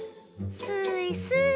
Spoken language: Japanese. スイスイ！